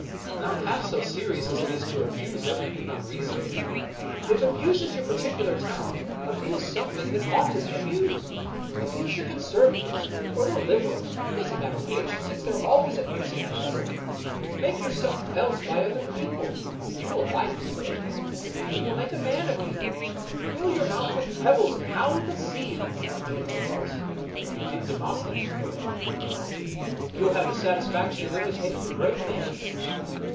" Not half so serious as it is to abuse everything unreason ably. If abuse is your particular talent, abuse something 37 American Mystery Stories that ought to be abused. Abuse the Conservatives — or the Liberals — it does not matter which, since they are always abusing each other. Make yourself felt by other people. You will like it, if they don't. It will make a man of you. Fill your mo; ith W'ith pebbles, and howl at the sea, if you cannot do anything else. It did Demosthenes no end of good, you know. You will have the satisfaction of imitating a great man."